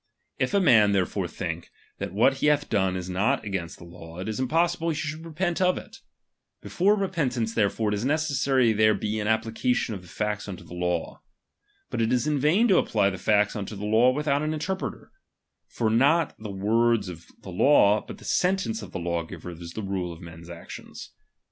If a man therefore think, that what he bath done is not against the law, it is impossible he should repent of it. Be I fore repentance therefore, it is necessary there be ' an application of the facts unto the law. But it is in vain to apply the facts unto the law without an interpreter : for not the words of the law, but the sentence of the law giver is the rule of men's ae ■ tions.